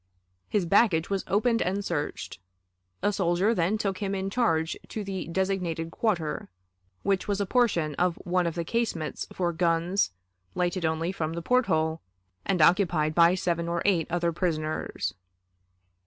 His baggage was opened and searched. A soldier then took him in charge to the designated quarter, which was a portion of one of the casemates for guns, lighted only from the port hole, and occupied by seven or eight other prisoners.